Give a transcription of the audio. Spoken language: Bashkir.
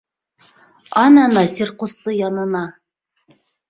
Ана Насир ҡусты янына.